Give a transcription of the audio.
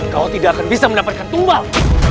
kau tidak akan bisa mendapatkan tumbang